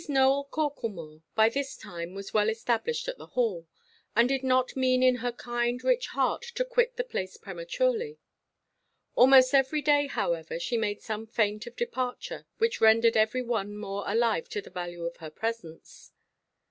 Nowell Corklemore by this time was well established at the Hall, and did not mean in her kind rich heart to quit the place prematurely. Almost every day, however, she made some feint of departure, which rendered every one more alive to the value of her presence.